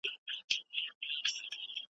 زه سبا سبا کومه لا منلي مي وعدې دي `